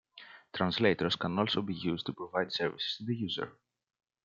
Translators can also be used to provide services to the user.